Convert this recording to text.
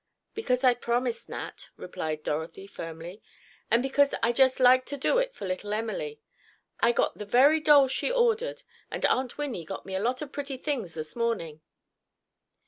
"Because I promised, Nat," replied Dorothy, firmly, "and because I just like to do it for little Emily. I got the very doll she ordered, and Aunt Winnie got me a lot of pretty things this morning."